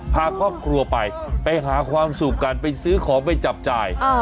พาครอบครัวไปไปหาความสุขกันไปซื้อของไปจับจ่าย